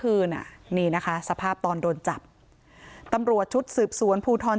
คืนอ่ะนี่นะคะสภาพตอนโดนจับตำรวจชุดสืบสวนภูทร